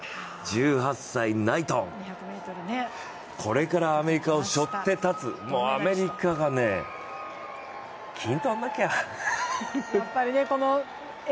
１８歳、ナイトン、これからアメリカをしょって立つ、アメリカが金取らなきゃ。